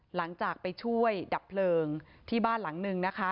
หลังจากไปช่วยดับเพลิงที่บ้านหลังนึงนะคะ